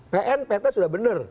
pnpt sudah bener